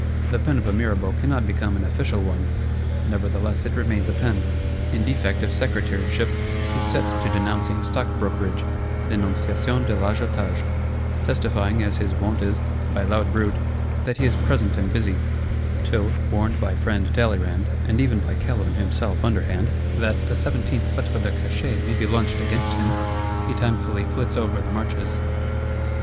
The pen of a Mirabeau cannot become an official one; nevertheless it remains a pen. In defect of Secretaryship, he sets to denouncing Stock brokerage (Dénonciation de l'Agiotage); testifying, as his wont is, by loud bruit, that he is present and busy;—till, warned by friend Talleyrand, and even by Calonne himself underhand, that "a seventeenth Lettre de Cachet may be launched against him," he timefully flits over the marches.